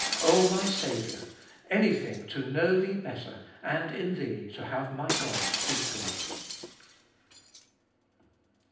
O my Saviour! anything to know Thee better, and in Thee to have my God speak to me